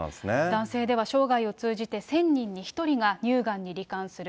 男性では生涯を通じて１０００人に１人が乳がんにり患する。